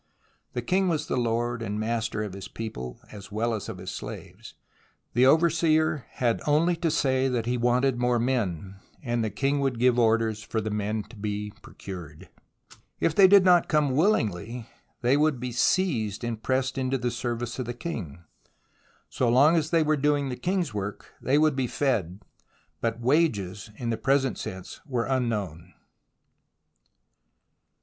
The king was the lord and master of his people, as well as of his slaves. The overseer had only to say that he wanted more men, and the king would give orders for the men to be procured. I ■s. ^ u. M O z S E 3 O w H W a, X 2 Z K Id ffi 5 2 I Id h THE ROMANCE OF EXCAVATION 77 If they did not come willingly, they would be seized and pressed into the service of the king. So long as they were doing the king's work they would be fed, but wages in the present sense were unknown.